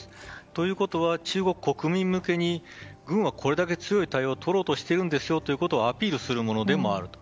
ということは中国国民向けに軍はこれだけ強い対応をとろうとしているんですよというアピールするものである。